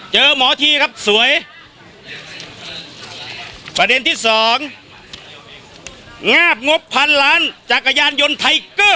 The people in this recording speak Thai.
หมอทีครับสวยประเด็นที่สองงาบงบพันล้านจักรยานยนต์ไทเกอร์